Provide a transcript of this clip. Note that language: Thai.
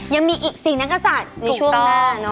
ยังมีอีก๔นักศัตริย์ในช่วงหน้า